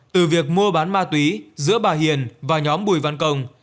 từ việc mua bán ma túy giữa bà hiền và nhóm bùi văn công